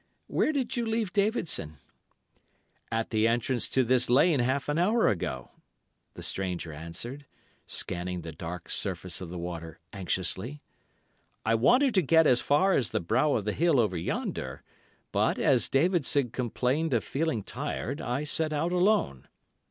Where did you leave Davidson?' "'At the entrance to this lane half an hour ago,' the stranger answered, scanning the dark surface of the water anxiously. 'I wanted to get as far as the brow of the hill over yonder, but, as Davidson complained of feeling tired, I set out alone.